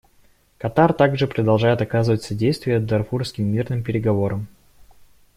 Катар также продолжает оказывать содействие дарфурским мирным переговорам.